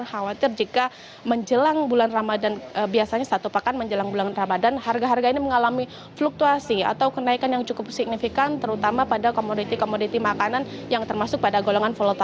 khawatir jika menjelang bulan ramadan biasanya satu pekan menjelang bulan ramadhan harga harga ini mengalami fluktuasi atau kenaikan yang cukup signifikan terutama pada komoditi komoditi makanan yang termasuk pada golongan volatih